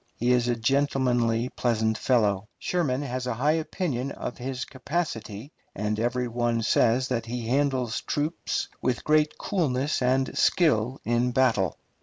He is a gentlemanly, pleasant fellow.... Sherman has a high opinion of his capacity, and every one says that he handles troops with great coolness and skill in battle.